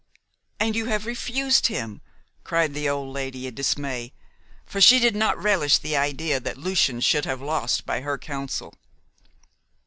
"And you have refused him?" cried the old lady in dismay, for she did not relish the idea that Lucian should have lost by her counsel.